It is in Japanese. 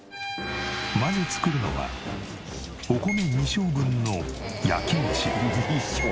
まず作るのはお米２升分の焼き飯。